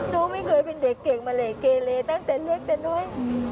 น้องไม่เคยเป็นเด็กเก่งเมล็ดเกรเลตั้งแต่เลือดเป็นน้อย